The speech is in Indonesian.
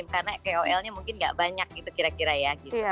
karena kol nya mungkin gak banyak gitu kira kira ya